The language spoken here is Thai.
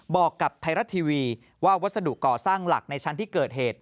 บอกกับไทยรัฐทีวีว่าวัสดุก่อสร้างหลักในชั้นที่เกิดเหตุ